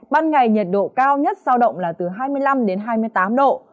ban ngày nhiệt độ cao nhất sao động là từ hai mươi năm đến hai mươi tám độ